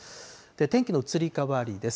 天気の移り変わりです。